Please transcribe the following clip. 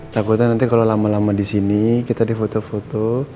takutnya nanti kalau lama lama di sini kita di foto foto